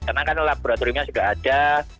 karena kan laboratoriumnya sudah ada